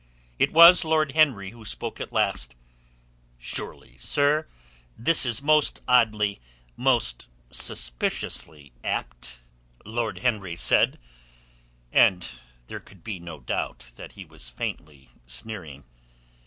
It was Lord Henry who spoke at last. "Surely, sir, this is most oddly, most suspiciously apt," he said, and there could be no doubt that he was faintly sneering.